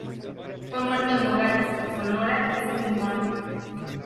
Fue muerto en Nogales, Sonora, ese mismo año.